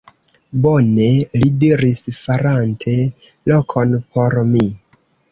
Bone! li diris, farante lokon por mi.